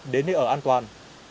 đến nơi ở an toàn